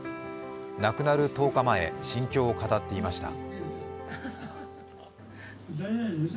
亡くなる１０日前、心境を語っていました。